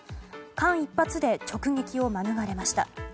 間一髪で直撃を免れました。